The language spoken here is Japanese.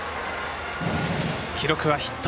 記録はヒット。